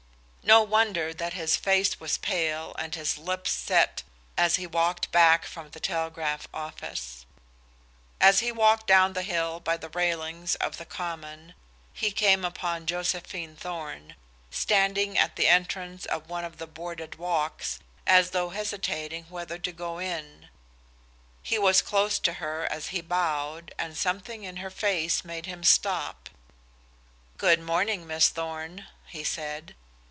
No wonder that his face was pale and his lips set as he walked back to his lodgings from the telegraph office. As he walked down the hill by the railings of the Common he came upon Josephine Thorn, standing at the entrance of one of the boarded walks, as though hesitating whether to go in. He was close to her as he bowed, and something in her face made him stop. "Good morning, Miss Thorn," he said.